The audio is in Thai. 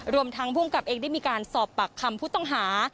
รวมทางภูมิกับเองได้มีการสอบปากคำผู้ต้องหา